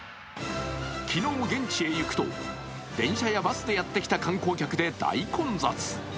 昨日現地へ行くと、電車やバスでやってきた観光客で大混雑。